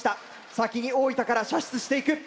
先に大分から射出していく。